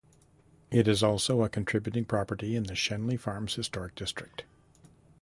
It is also a contributing property in the Schenley Farms Historic District.